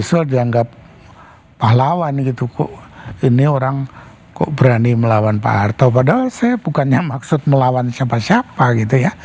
saya dianggap pahlawan gitu kok ini orang kok berani melawan pak harto padahal saya bukannya maksud melawan siapa siapa gitu ya